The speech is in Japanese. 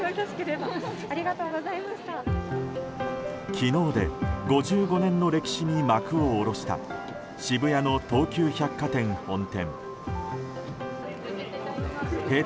昨日で５５年の歴史に幕を下ろした渋谷の東急百貨店本店。